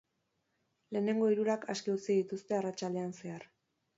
Lehenengo hirurak aske utzi dituzte arratsaldean zehar.